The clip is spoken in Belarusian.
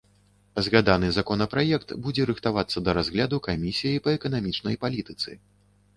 Згаданы законапраект будзе рыхтавацца да разгляду камісіяй па эканамічнай палітыцы.